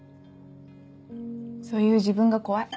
そういう自分が怖い。